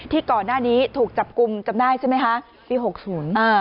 ที่ก่อนหน้านี้ถูกจับกลุ่มจำได้ใช่ไหมคะ